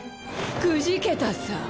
くじけたさ！